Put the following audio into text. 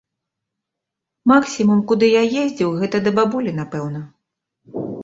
Максімум, куды я ездзіў, гэта да бабулі, напэўна.